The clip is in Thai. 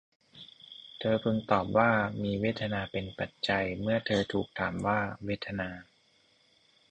เธอพึงตอบว่า มีเวทนาเป็นปัจจัย เมื่อเธอถูกถามว่าเวทนา